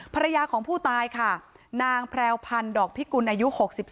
ภรรยาของผู้ตายค่ะนางแพรวพันธ์ดอกพิกุลอายุ๖๒